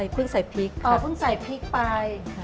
เพิ่งใส่พริกปลาย